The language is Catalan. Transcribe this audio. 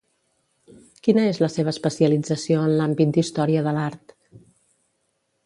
Quina es la seva especialització en l'àmbit d'Història de l'art?